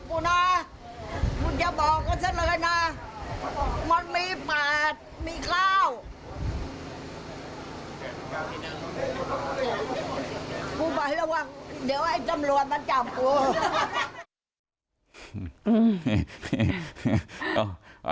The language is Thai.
กูไประวังเดี๋ยวไอ้จำลวนมันจับกู